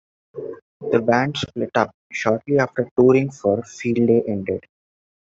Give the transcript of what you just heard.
The band split up shortly after touring for "Field Day" ended.